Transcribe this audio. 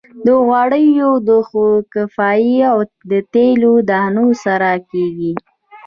د غوړیو خودکفايي د تیلي دانو سره کیږي.